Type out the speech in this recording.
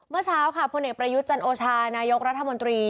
เมื่อเช้าค่ะพลเอกประยุทธ์จันโอชานายกรัฐมนตรี